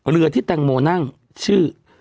เรือที่แตงโมนั่งชื่อ